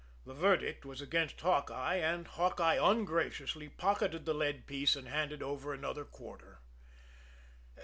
The verdict was against Hawkeye, and Hawkeye ungraciously pocketed the lead piece and handed over another quarter.